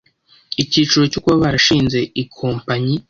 icyiciro cyo kuba barashinze i kompanyi